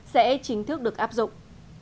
sẽ chính thức được áp dụng